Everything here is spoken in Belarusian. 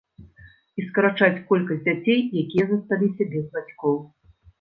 І скарачаць колькасць дзяцей, якія засталіся без бацькоў.